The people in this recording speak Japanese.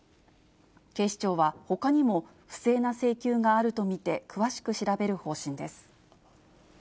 警視庁は、ほかにも不正な請求があると見て、詳しく調べる方針です。